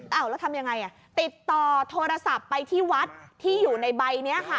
แล้วทำยังไงติดต่อโทรศัพท์ไปที่วัดที่อยู่ในใบนี้ค่ะ